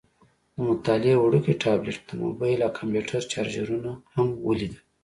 د مطالعې وړوکی ټابلیټ، د موبایل او کمپیوټر چارجرونه هم ولیدل.